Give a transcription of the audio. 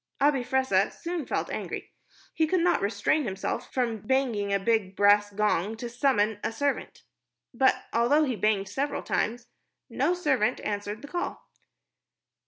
Abi Fressah soon felt angry. He could not restrain himself from banging a big brass gong to summon a servant. But although he banged several times, no servant answered the call.